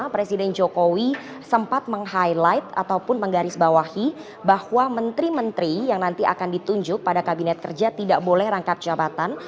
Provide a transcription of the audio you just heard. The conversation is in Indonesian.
presiden jokowi sempat meng highlight ataupun menggarisbawahi bahwa menteri menteri yang nanti akan ditunjuk pada kabinet kerja tidak boleh rangkap jabatan